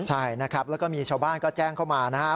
ใช่นะครับแล้วก็มีชาวบ้านก็แจ้งเข้ามานะครับ